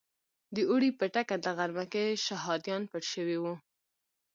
د اوړي په ټکنده غرمه کې شهادیان پټ شوي وو.